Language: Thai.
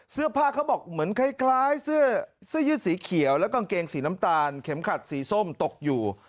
เขาบอกเหมือนคล้ายเสื้อยืดสีเขียวและกางเกงสีน้ำตาลเข็มขัดสีส้มตกอยู่